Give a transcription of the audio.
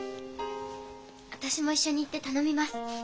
私も一緒に行って頼みます。